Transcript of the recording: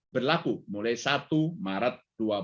berlaku mulai satu maret dua ribu dua puluh